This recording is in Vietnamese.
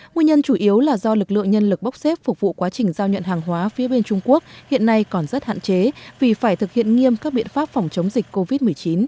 nguyên nhân chủ yếu là do lực lượng nhân lực bốc xếp phục vụ quá trình giao nhận hàng hóa phía bên trung quốc hiện nay còn rất hạn chế vì phải thực hiện nghiêm các biện pháp phòng chống dịch covid một mươi chín